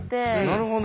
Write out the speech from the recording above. なるほど。